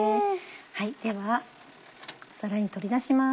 では皿に取り出します。